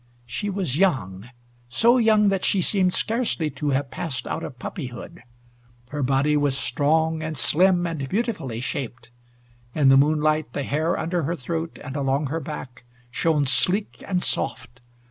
She was young so young that she seemed scarcely to have passed out of puppyhood. Her body was strong and slim and beautifully shaped. In the moonlight the hair under her throat and along her back shone sleek and soft.